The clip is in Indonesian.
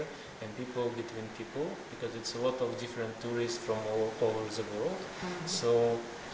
dan orang antara orang karena ada banyak turis yang berbeda di seluruh dunia